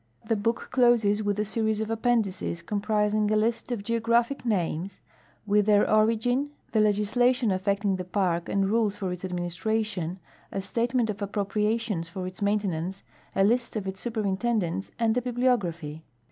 The book closes with a series of appendices comprising a list of geographic names, with their origin, the legislation affecting the park and rules for its administration, a statement of appropriations for its maintenance, a list of its superin tendents, and a bibliography.